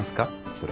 それ。